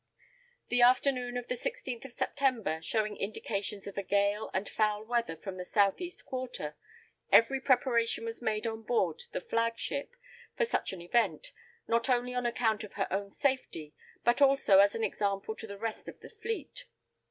The afternoon of the 16th of September shewing indications of a gale and foul weather from the south east quarter, every preparation was made on board the flag ship for such an event, not only on account of her own safety, but also as an example to the rest of the fleet.